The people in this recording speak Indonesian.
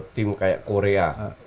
tim kayak korea